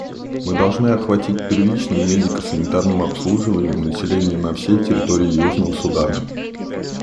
Мы должны охватить первичным медико-санитарным обслуживанием население на всей территории Южного Судана.